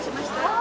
あ！